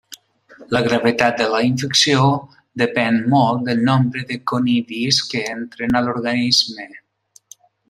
La gravetat de la infecció depèn molt del nombre de conidis que entren a l'organisme.